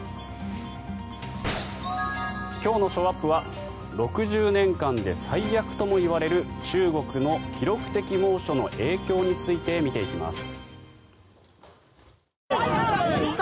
今日のショーアップは６０年間で最悪とも言われる中国の記録的猛暑の影響について見ていきます。